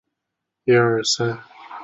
这个算法是基于序列的递增进位制数。